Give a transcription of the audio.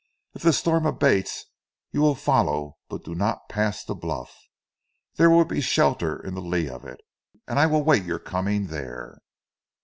If the storm abates you will follow but do not pass the bluff. There will be shelter in the lee of it, and I will wait your coming there."